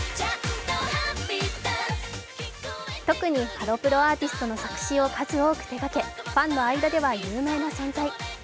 特に、ハロプロアーティストの作詞を数多く手がけ、ファンの間では有名な存在。